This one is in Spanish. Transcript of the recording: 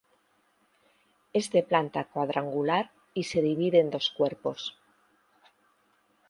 Es de planta cuadrangular y se divide en dos cuerpos.